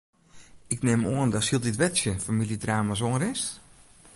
Ik nim oan datst hieltyd wer tsjin famyljedrama's oanrinst?